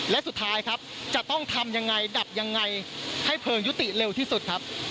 และสุดท้ายครับจะต้องทำยังไงดับยังไงให้เพลิงยุติเร็วที่สุดครับ